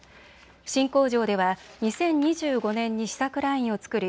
新工場では２０２５年に試作ラインを作り